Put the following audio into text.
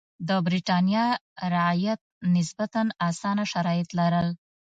د برېټانیا رعیت نسبتا اسانه شرایط لرل.